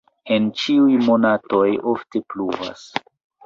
En ĉiuj monatoj ofte pluvas.